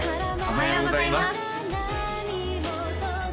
おはようございます